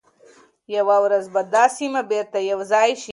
یوه ورځ به دا سیمي بیرته یو ځای شي.